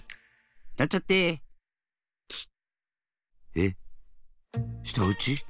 えっしたうち？